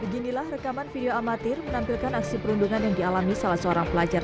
beginilah rekaman video amatir menampilkan aksi perundungan yang dialami salah seorang pelajar